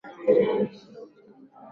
mkubwa zaidi wa familia ya mustelid na